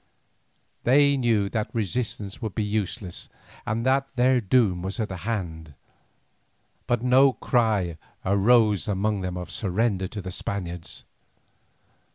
They knew that resistance would be useless and that their doom was at hand, but no cry arose among them of surrender to the Spaniards.